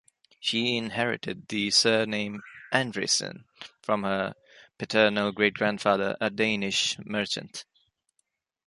She inherited the surname 'Andresen' from her paternal great grandfather, a Danish merchant.